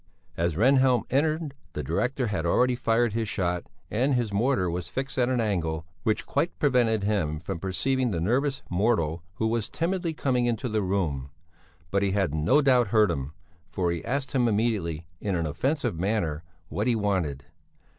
As Rehnhjelm entered the director had already fired his shot and his mortar was fixed at an angle which quite prevented him from perceiving the nervous mortal who was timidly coming into the room. But he had no doubt heard him, for he asked him immediately, in an offensive manner, what he wanted.